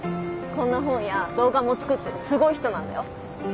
こんな本や動画も作ってるすごい人なんだよ。